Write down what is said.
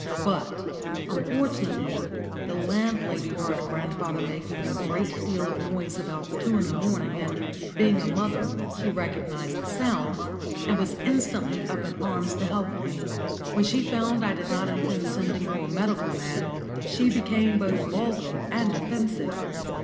But, unfortunately, the landlady heard grandfather making a great deal of noise about two in the morning, and, being a mother, she recognised the sound, and was instantly up in arms to help me. When she found I did not intend sending for a medical man, she became both vulgar and offensive.